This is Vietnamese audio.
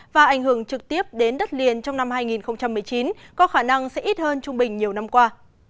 và ảnh hưởng trực tiếp đến đất liền trong năm hai nghìn một mươi chín có khả năng sẽ ít hơn trung bình nhiều năm qua